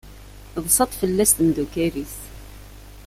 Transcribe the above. Ḍsant fell-as temdukal-is.